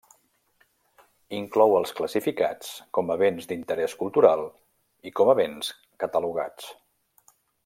Inclou els classificats com a Béns d'Interès Cultural i com a Béns Catalogats.